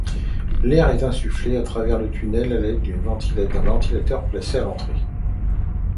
L'air est insufflé à travers le tunnel à l'aide d'un ventilateur placé à l'entrée.